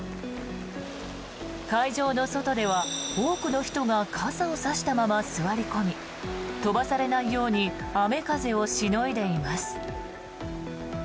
会場の外では、多くの人が傘を差したまま座り込み飛ばされないように雨風をしのいでいます。